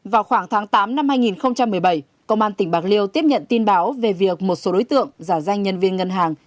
vào khoảng tháng tám năm hai nghìn một mươi bảy công an tỉnh bạc liêu tiếp nhận tin báo về việc một số đối tượng giả danh nhân viên ngân hàng